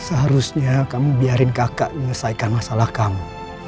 seharusnya kamu biarin kakak menyelesaikan masalah kamu